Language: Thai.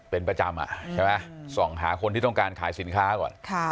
เป็นประจำใช่ไหมส่องหาคนที่ต้องการขายสินค้าก่อน